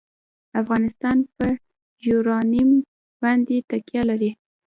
افغانستان په یورانیم باندې تکیه لري.